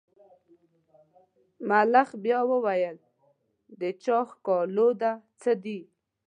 ملخ بیا وویل د چا ښکالو ده څه دي.